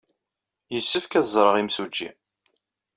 Yessefk ad ẓreɣ imsujji.